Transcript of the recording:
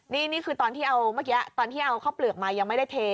นี่คือตอนที่เอาเมื่อกี้ตอนที่เอาข้าวเปลือกมายังไม่ได้เท